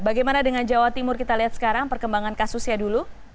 bagaimana dengan jawa timur kita lihat sekarang perkembangan kasusnya dulu